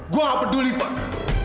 gue gak peduli fadil